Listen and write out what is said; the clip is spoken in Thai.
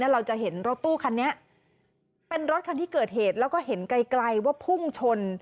เราจะเห็นรถตู้คันนี้เป็นรถคันที่เกิดเหตุแล้วก็เห็นไกลว่าพุ่งชน